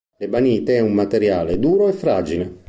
L'ebanite è un materiale duro e fragile.